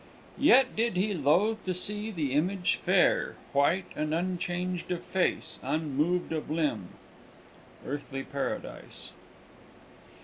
_ "Yet did he loath to see the image fair, White and unchanged of face, unmoved of limb!" _Earthly Paradise.